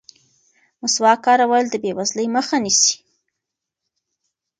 مسواک کارول د بې وزلۍ مخه نیسي.